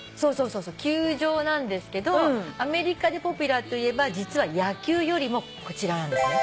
そうそう球場なんですけどアメリカでポピュラーといえば実は野球よりもこちらなんですね。